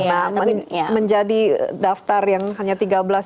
nah menjadi daftar yang hanya tiga belas itu gimana